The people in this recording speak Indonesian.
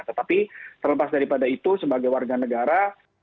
tetapi terlepas daripada itu sebagai warga negara